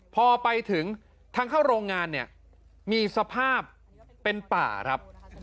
พอไปถึงทางเข้าโรงงานเนี่ยมีสภาพเป็นป่าครับ